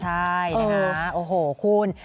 ใช่นะคะโอ้โหคุณ